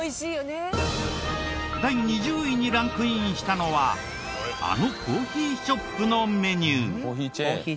第２０位にランクインしたのはあのコーヒーショップのメニュー。